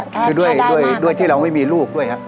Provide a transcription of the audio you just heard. คือด้วยที่เราไม่มีลูกด้วยครับ